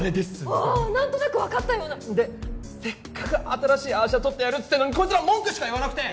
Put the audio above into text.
ああ何となく分かったようなでせっかく新しいアー写撮ってやるっつってんのにこいつら文句しか言わなくて！